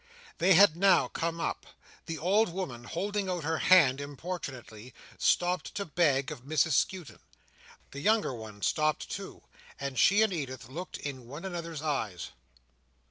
They had now come up. The old woman, holding out her hand importunately, stopped to beg of Mrs Skewton. The younger one stopped too, and she and Edith looked in one another's eyes.